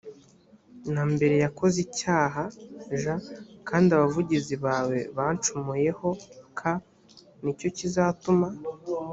na mbere yakoze icyaha j kandi abavugizi bawe bancumuyeho k ni cyo kizatuma